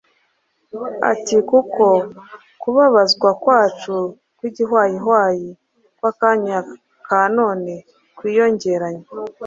ati: ” Kuko kubabazwa kwacu kw’igihwayihwayi kw’akanya ka none kwiyongeranya,